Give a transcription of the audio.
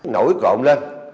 nổi cộng lên